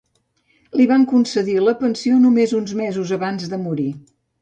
Li van concedir la pensió només un mesos abans de morir.